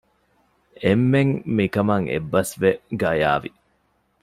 އެންމެން މިކަމަށް އެއްބަސް ވެ ގަޔާވި